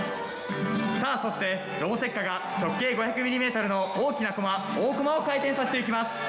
さあそして機構雪花が直径５００ミリメートルの大きなコマ大コマを回転させていきます。